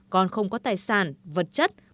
con không có tài sản vật chất